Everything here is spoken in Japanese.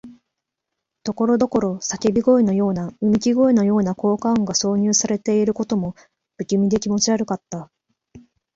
ところどころ叫び声のような、うめき声のような効果音が挿入されていることも、不気味で気持ち悪かった。